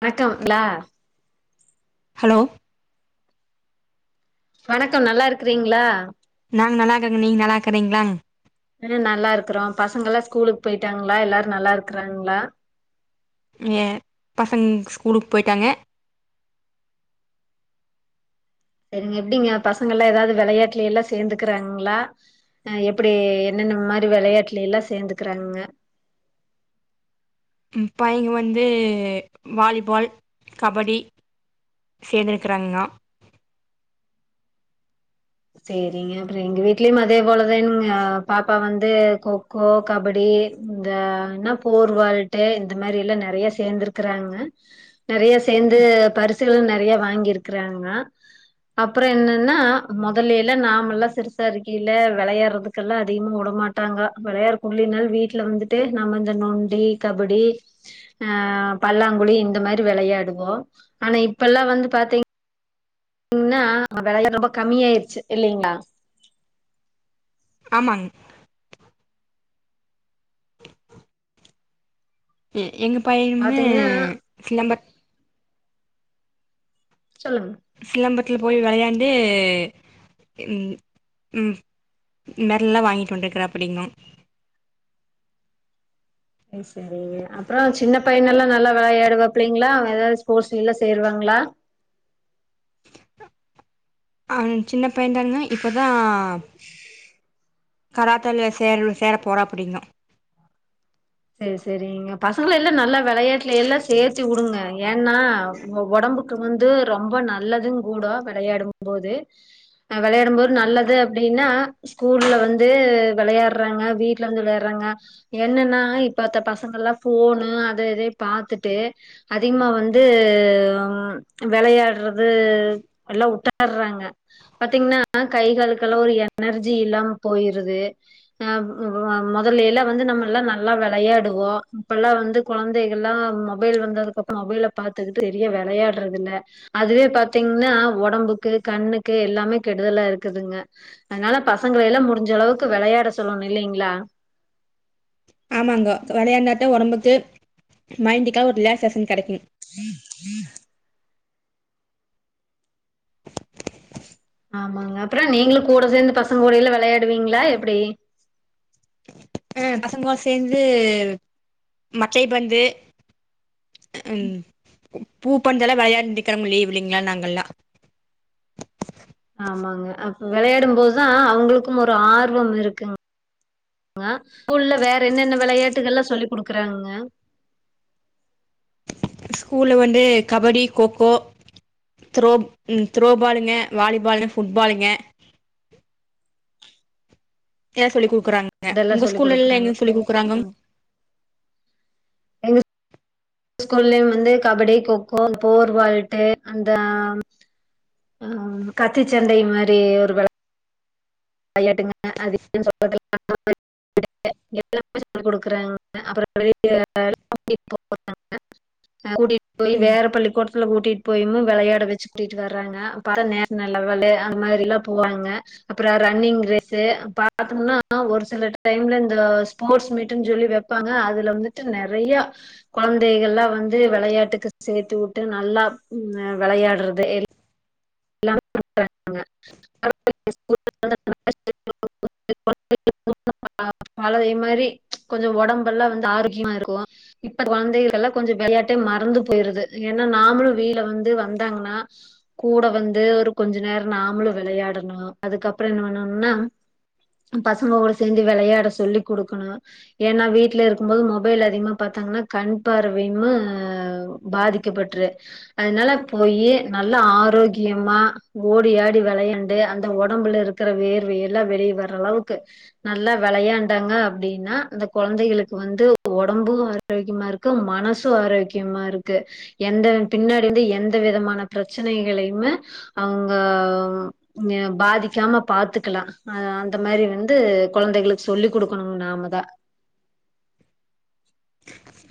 வணக்கோங்களா hello வணக்கம் நல்லா இருக்குறீங்களா நாங்க நல்லாருக்கோங்க நீங்க நல்லாருக்கிறீங்களா ஆ நல்லா இருக்குறோ பசங்கல்லா ஸ்கூலுக்கு போயிட்டாங்களா எல்லாரு நல்லா இருக்குறாங்களா ஏ பசங்க ஸ்கூலுக்கு போயிட்டாங்க செரிங்க எப்டிங்க பசங்கல்லா ஏதாது வெளையாட்லேல்லா சேந்துக்கறாங்களா ஆ எப்டி என்னென்ன மாரி வெளையாட்லல்லா சேந்துக்கிறாங்க ம் பையங்க வந்து வாலிபால் கபடி சேந்துருக்கிறாங்கோ சேரிங்க அப்புற எங்க வீட்லயும் அதே போல தான்ங்க பாப்பா வந்து கோ கோ கபடி இந்த என்னா ஃபோர் வாழ்ட்டு இந்த மாதிரில்லா நிறைய சேர்ந்தருக்கறாங்க நிறைய சேர்ந்து பரிசுகளு நறைய வாங்கிருக்கிறாங்க அப்புற என்னன்னா முதல்லல்ல நாம எல்லா சிறுசா இருக்கையில விளையாடுறதுக்கெல்லா அதிகமா வுடமாட்டாங்க விளையாடு உள்ளி நாலு வீட்டுல வந்துட்டு நம்ம இந்த நொண்டி கபடி ஆ பல்லாங்குழி இந்த மாரி விளையாடுவோ ஆனா இப்பல்லா வந்து பாத்தீங் ன்னா விளையா ரொம்ப கம்மி ஆயிருச்சு இல்லலைங்களா ஆமாங்க உ எங்க பையனுமே பாத்தீங்கன்னா சிலம்பத் சொல்லுங்க சிலம்பத்துல போய் விளையாண்டு உ உ இன்மாரில்லா வாங்கிட்டு வந்டிக்கறப்படிங்கள அது சேரி உ அப்புற சின்ன பைய்யனல்லா நல்லா விளையாடுவா பிள்ளீங்களா ஏதாவது ஸ்போர்ட்ஸ்ஸிலில்லா சேருவாங்களா ஆ சின்ன பையன்தானுங்க இப்பதா கராத்தேல சேரனு சேர போறாப்படிங்க செரி செரிங்க பசங்கலெல்லா நல்லா வெளையாட்டுல எல்லா சேர்த்து உடுங்க ஏன்னா ஒ ஒடம்புக் க்கு வந்து ரொம்ப நல்லது கூட வெளையாடும்போது நா வெளையாடும் போது நல்லது அப்டின்னா ஸ்கூல்ல வந்து வெளையாடுறாங்க வீட்ல வந்து வெளையாடுறாங்க என்னன்னா இப் பாத்த பசங்கல்லா ஃபோனு அத இதயு பாத்துட்டு அதிகமா வந்து வெளையாடுறது எல்லா உட்டார்ராங்க பாத்தீங்கன்னா கை காலுக்கெல்லா ஒரு எனர்ஜி இல்லாம போயிருது ஆ மொ மொதல்லையெல்லா வந்து நம்ம எல்லா நல்லா வெ வெளையாடுவோ இப்பெல்லா வந்து கொழந்தைகள்லா மொபைல் வந்ததுக்கு அப்பற மொபைல பாத் பாத்துக்கிட்டு வெளிய வெளையாடுறது இல்ல அது பாத்தீங்கன்னா ஒடம்புக்கு கண்ணுக்கு எல்லாமே கெடுதலா இருக்குதுங்க அதனால பசங்கள எல்லா முடிஞ்ச அளவுக்கு வெளையாட சொல்லணு இல்லைங்களா ஆமாங்க வெளையாண்ட தா ஒடம்புக்கு மைண்டிக்கா ஒரு ரிலாக்ஸ்சேஷன் கெடைக்கு ஆமாங்க அப்பற நீங்களு கூட சேர்ந்து பசங்க கூடல்லா வெளையாடுவீங்களா எப்பிடி ஆ பசங்கலா சேர்ந்து மட்டை பந்து அ உ பூ பந்தெல்லா வெளையாண்டிக்கெழம லீவு இல்லைங்களா நாங்கல்லா ஆமாங்க அப்ப வெளையாடும் போதுதா அவுங்களுக்கும் ஒரு ஆர்வம் இருக்குங் ங்க ஸ்கூல்ல வேற என்னென்ன விளையாட்டுகள்லா சொல்லி குடுக்குறாங்கங்க ஸ்கூல்ல வந்து கபடி கொக்கோ த்ரோ உ த்ரோ பாலுங்க வாலி பாலு ஃபுட் பாலுங்க யா சொல்லி குடுக்குறாங்கங்க இதெல்லா உங்க சொல்லி் ஸ்கூல்ல எல்லா குடுக்குறாங்க என்ன சொல்லி குடுக்குறாங்க ஸ்கூல்லயு வந்து கபடி கொக்கோ போர் வாள்ட்டு அந்த ஆ கத்திச்சண்டை மாரி ஒரு வெள வெளையாட்டுங்க அது என்னனு சொல்றதுல [unintelligible] [unintelligible] எல்லாமே சொல்லி குடுக்குறாங்க அப்பற வெளிய கூட்டி போறாங்க ஆ கூட்டிட்டு போயி ம் வேற பள்ளிக்கூடத்துல கூட்டிட்டு போயிமு வெளையாட வச்சி கூட்டிட்டு வர ர்றாங்க பற நேஷனல் லெவல்லு அந்த மாரி எல்லா போவாங்க அப்பற ரன்னிங் ரேஸு பாத்தோம்னா ஒரு சில டைம்ல இந்தஸ் போர்ஸ் மீட்டுன் ஜொல்லி வெப்பாங்க அதுல வந்துட்டு நெறையா கொழ்ந்தேகள்லா வந்து வெளையாட்டுக்கு சேத்து வுட்டு நல்லா ம் வெளையாட்றது எல் எலா [unintelligible] [unintelligible] ஆ பழய மாரி கொஞ்சு ஒடம்பெல்லா வந்து ஆருக்கிமா இருக்கு இப்ப கொழந்தைகள்ளா கொஞ்சு வெளையாட்டே மறந்து போய்ருது ஏனா நாமளு வீல வந்து வந்தாங்குனா கூட வந்து ஒர் கொஞ்சு நேர் நாமளு வெளையாடணு அதுக்கப்ற என்ன பண்ணுன்னா ம் பசங்கோட சேந்து வெளையாட சொல்லி் குடுக்குண் ஏனா வீட்ல இருக்கும் போது மொபைல் அதிகமா பாத்தாங்னா கண் பார்வையும்மு அவ் பாதிக்கப்பட்ரு அதனால போயி நல்ல ஆரோக் இயம்மா ஓடி ஆடி வெளையாண்டு அந்த ஒடம்புல இருக்குற வேர்வை எல்லா வெளிய வர்றளவுக்கு நல்லா வெளையாண்டாங்க அப்டின்னா அந்த கொழந்தைகளுக்கு வந்து ஒடம்பும்வர் ரோக்கியமா இருக்கு மனசு ஆரோக்கியமா இருக்கு எந்தன் பின்னாடி வந்து எந்த விதமான ப்ரச்சனைகளையுமே அவ்ங்கவ் இங்க பாதிக்காம பாத்துக்கலா ஆ அந்த மாரி ருந்து கொழந்தைகளுக் சொல்லி் குடுக்குணு நாமதா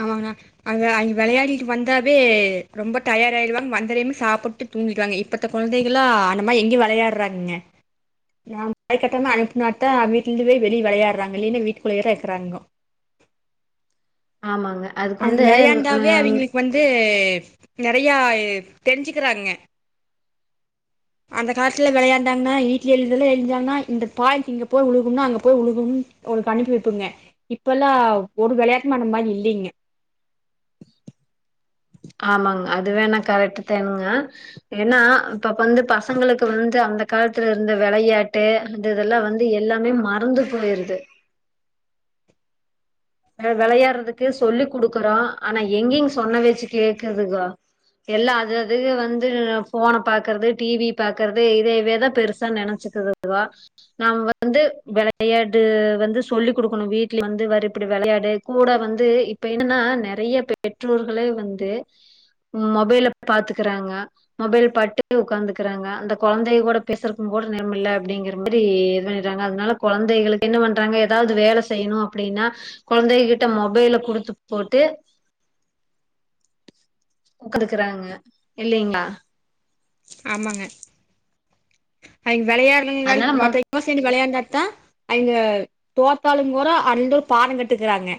ஆமாங்கனா அங்க அங் வெளையாடிட்டு வந்தாவே ரொம்ப டயாட் ஆய்டுவாங் வந்தரேமே சாப்புட்டு தூங்கிட் வாங் இப்பத்த கொழ்ந்தைகலா அந்த மாய் எங்யு வெளையாறாங்க நாம் அது கட்டம்மா அனுப்புனாத்தா அத் வீட்லுந்துவே வெளி வெளையாட்றாங் இலினு வீட்டுக்குள்யேத்தா எர்க்றாங்கோ ஆமாங்க அதுக்கு அன் வந்து ம் வெளையாண்டாவே அவிங்ளுக் வந்து நெறையாயே தெரிஞ்சுக்குறாங்க அந்த காஸ்லே வெளையாண்டாங்ணா ஈட்லே எழுதுல எல்ஜாங்னா இந்த பாய்ண்ட் இங்க போய் வுலுகும்னா அங்க போய் வுலுகும் ஒர் கனுப்பி வெப்புங்க இப்பல்லா ஒரு விளையாட்டு மநமா இல்லிய்ங்க ஆமாங் அதுவேணா கரட்டு தேனுங்க ஏன்னா பப் வந்து பசங்களுக்கு வந்து அந்த காலத்துலருந்து வெளையாட்டு அந்த் இதெல்லா வந்து எல்லாமே மறந்து போய்ர்து அ வெளையாட்றதுக்கு சொல்லி் குடுக்குறோ ஆனா எங்கிங் சொன்ன வேச்சு கேக்குதுகா எல்லா அது அதுக்கு வந்து இல்லா ஃபோன பாக்கற்து டிவி பாக்கற்து இதேவேதா பெருசா நெனச்சுக்குது அதுவா நாம வந்து வெளையாடு வந்து சொல்லி் குடுக்குணு வீடலே வந்து வருப் இப்டி வெளையாடு கூட வந்து இப்பு என்னன்னா நெறைய பெற்றோர்களே வந்து மொபைல பாத்துக்குறாங்க மொபைல் பாட்டு உக்காந்துக்குறாங்க அந்த கொழந்தைய் கூட பேசுறக்கு கூட நேரமில்ல அப்படிங்கிற மாரி எதார் த்தாங்க அதுனால கொழந்தைகளு என்ன பண்றாங்க ஏதாவ்து வேல செய்ணு அப்படின்னா கொழந்தைககிட்ட மொபைல குடுத்து போட்டு உக்குதுக்கறாங்க இல்லைஆ ஆமாங்க அய் வெளையாரு நாள் அதனால மொ மத்தய் நம சேந்தி வெளையாண்டாத்தா அங்க தோத்தாலு கூரோ அந்து பாடங் கட்டுக்குறாங்க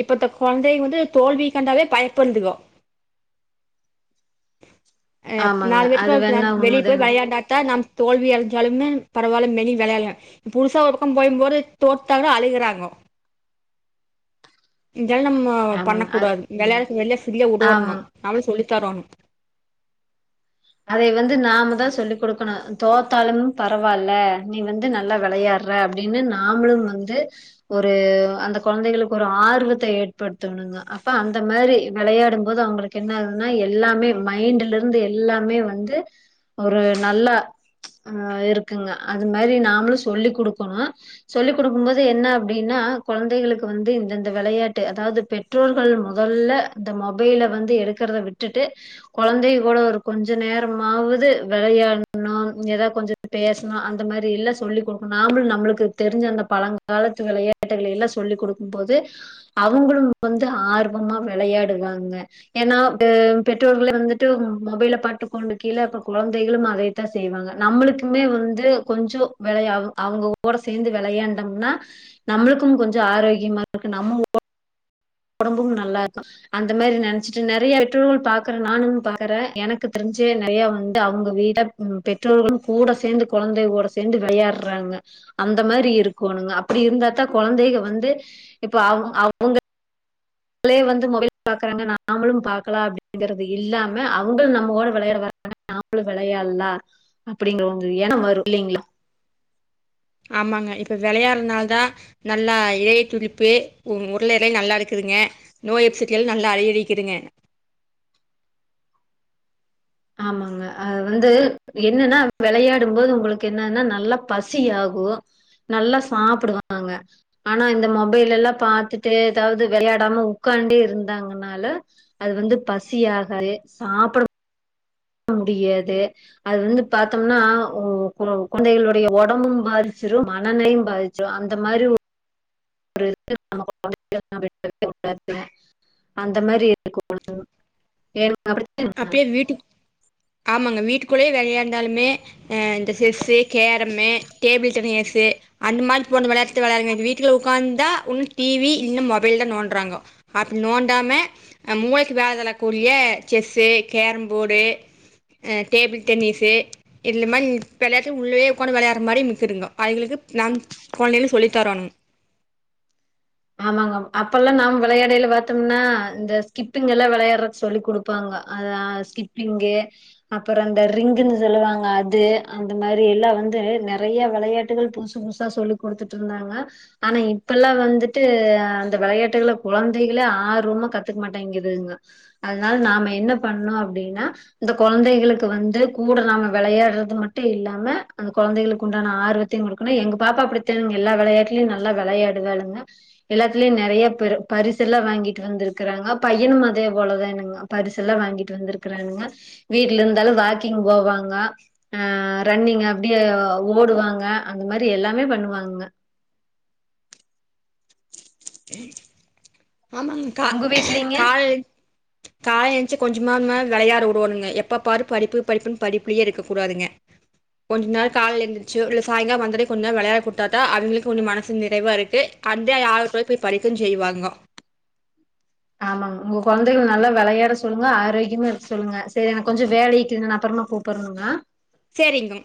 இப்பத்த கொழ்ந்தை வந்து தோல்விக்கண்டாவே பயப்படுத்துகோ [inaudible] அஅப் ஆமாங்க நால் அது பேர்த்துக்கு வேணா ப்ளான் வெளியே போய் உண்மதானுங்க வெளையாண்டாத்தா நம் தோல்வி அல்ஜாலுமே பரவால்ல மெனி வெளையால்ல புதுசா ஒருக்கம் போயும்போது தோத்தாலு அழுகுறாங்கோ இன்ஜால் நம்ம பண்ண ஆமாங்க அ கூடாது வெளையாடத் வெள்ளஸ் உள்ளே வுடுவானுங்கோ ஆமாங்க நம்ளு சொல்லி தராணு அதைய வந்து நாம தா சொல்லிக் குடுக்கணு தோத்தாலும் பரவால்ல நீ வந்து நல்லா வெளையாற் ற அப்டின்னு நாமளும் வந்து ஒரு அந்த கொழந்தைகளுக்கு ஒரு ஆர்வத்த ஏற்படுத்தணுங்க அப்ப அந்த மாரி வெளையாடும் போது அவங்களுக் கென்னதுன்னா எல்லாமே மைண்ட்ல இருந்து எல்லாமே வந்து ஒரு நல்லா ஆ இருக்குங்க அது மாரி நாமளு சொல்லி குடுக்கணு சொல்லி குடுக்கும் போது என்ன அப்டின்னா கொழந்தைகளுக்கு வந்து இந்த இந்த வெளையாட்டு அதாவது பெற் பெற்றோர்கள் முதல்ல இந்த மொபைல வந்து எடுக்குறத விட்டுட்டு கொழந்தைக கூட ஒரு கொஞ்ச நேரமாவது வெளையாடனு அவுங் எதாவது கொஞ்ச பேசணு அந்த மாரி எல்லா சொல்லிக் குடுக்கணு நாமளு நம்மளுக்கு தெருஞ்ச அந்த பழங்க காலத்து வெளையாட்டுகளை எல்லா சொல்லி் குடுக்கும் போது அவங்களும் வந்து ஆர்வமா வெளையாடுவாங்க ஏன்னா பெற்றோர்களே வந்துட்டு மொபைலப் பாட்டு கொண்டு கீழ அப்புறோ கொழந்தைகளும் அதைத்தா செய்வாங்க நம்மளுக்குமே வந்து கொஞ்சோ வெளையா அவு அவுங்கோ கோட சேந்து வெளையாண்டம்னா நம்மளுக்கும் கொஞ்சோ கொ ஆரோக்கியமா இருக்கு நம்ம ஒடம்பும் நல்லா இருக்கு அந்த மாரி நெனைச்சிட்டு நறையா பெற்றோர்கள் பாக்குற நானும் பாக்குற எனக்கு தெருஞ்சு நறையா வந்து அவுங்க வீடப் ம் பெற்றோர்களும் கூட சேந்து கொழந்தைக கூட சேந்து வெளையாடுறாங்க அந்த மாரி இருக்கோணுங்க அப்டி இருந்தாத்தா கொழந்தைக வந்து இப்ப அவ அவுங்க ளே வந்து மொபைல் பாக்கறாங்க நாமளும் பாக்கலா அப்டிங்கறது இல்லாம அவுங்கள் நம்மகோட வெளையாட வர் ஆனா நாமளு வெளையாடலா அப்டிங்கறவங்க எண்ணம் வரும் இல்லைங்களா ஆமாங்க இப்ப வெளையாடுறதுனாலதா நல்லா இலைய துளிப்பு உருளை இலை நல்லா இருக்குதுங்க நோய் அப்செட்டி எல்லா நல்லா அடையடிக்கதுங்க ஆமாங்க அது வந்து என்னன்னா வெளையாடும்போது உங்களுக்கு என்னன்னா நல்லா பசி ஆகு நல்லா சாப்புடுவாங்க ஆனா இந்த மொபைல் எல்லா பாத்துட்டு எதாவது வெளையாடாம உட்காண்டே இருந்தாங்கனால அது வந்து பசியாகாது சாப்புட முடியாது அது வந்து பாத்தம்னா கொழந்தைகளுடைய ஒடம்பும் பாதிச்சிரு மனனையும் பாதிச் சோ அந்த மாரி ஒ [inaudible] அந்த மாரி இருக்கு [inaudible] அப்டியே வீட்டு ஆமாங்க வீட்டுக்குள்ளேயே வெளையான்டாலுமே அ இந்த செஸ்ஸு கேரம்மு டேபிள் டென்னிஸ்ஸு அந்த மாரி போன்ற வெளையாட்டு வெளாடுங்க இந்த வீட்ல உக்காந்தா ஒன்னு டிவி இல்லினா மொபைல் தா நோன்றாங்கோ அப்டி நோண்டாம அ மூளைக்கு வேலை தர கூடிய செஸ்ஸு கேரம் போடு அ டேபிள் டென்னிஸ்ஸு இதுல மாரி வெளையாட்டு உள்ளயே உக்காந்து வெளையாடுற மாரி நமக்கு இருங்குங்கோ அதுகளுக்கு நான் கொழந்தைக்கு சொல்லி தரோனும் ஆமாங்கோ அப்பெல்லா வெளையாடைல பாத்தோம்னா இந்த ஸ்கிப்பிங் எல்லா வெளையாடுறதுக் சொல்லி குடுக் ப்பாங்கோ அத அ ஸ்கிப்பிங்கு அப்புறோ அந்த ரிங்குன் சொல்லுவாங்க அது அந்த மாரி எல்லா வந்து நறையா வெளையாட்டுகள் புதுசு புஸ் சா சொல்லி குடுத்துட்டு இருந்தாங்க ஆனா இப்பல்லா வந்துட் ட்டு அந்த வெளையாட்டுகள கொழந்தைகளே ஆர்வமா கத்துக்க மாட்டேங்குதுங்க அதனால நாம என்ன பண்ணோ அப்டின்னா இந்த கொழந்தைகளுக்கு வந்து கூட நாம வெளையாடுறது மட்டு இல்லாம அந்த கொழந்தைகளுக்கு உண்டான ஆர்வத் கொடுணும் எங்க பாப்பா அப்படித்துங்க எல்லா விளையாட்டுலும் நல்ல விளையாடு வாழுங்க எல்லாத்தலயும் நிறைய பரிசு எல்லா வாங்கிட்டு வந்திருக்கறாங்க பையனும் அதே போலதான்னங்க பரிசு எல்லா வாங்கிட்டு வந்திருக்கறானுங்க வீட்டுல இருந்தாலும் வாக்கிங் போவாங்க ஆ ரன்னிங் அப்படியே ஓடுவாங்க அந்த மாதிரி எல்லாமே பண்ணுவாங்க ஆமாங்க கா உங்க வீட்லீங்க கால் காலைல எந்திச்சு கொஞ்ச விளையாட விடுவணுங்க எப்ப பாரு படிப்பு படிப்புன்னு படிப்புலேயே இருக்க கூடாதுங்க கொஞ்ச நாள் காலைல எழுந்துச்சு உள்ள சாயங்கால வந்த உடனே கொஞ்ச நேரம் விளையாட கொடுத்தா அவங்களுக்கு மனசு நிறைவா இருக்கு அதா அ ய போய் படிக்க செய்வாங்க ஆமாங்க உங்க குழந்தைகள் நல்லா விளையாட சொல்லுங்க ஆரோக்கியமா இருக்க சொல்லுங்க சரி எனக்கு கொஞ்சம் வேலை இருக்குதுங்க அப்புறமா கூப்ட்டு பருங்க சரிங்க